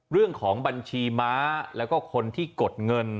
เรื่องของบัญชีม้าแล้วก็คนที่กดเงิน